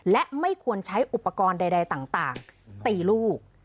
และไม่ควรใช้อุปกรณ์ใดต่างตีลูก